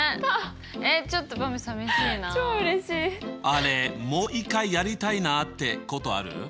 あれもう一回やりたいなってことある？